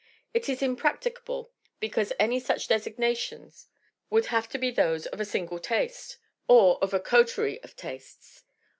It is impracticable because any such designations would have to be those of a single taste or of a coterie of tastes.